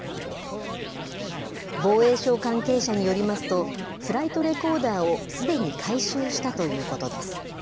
防衛省関係者によりますと、フライトレコーダーをすでに回収したということです。